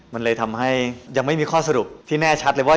มันเลยทำให้ยังไม่มีข้อสรุปที่แน่ชัดเลยว่า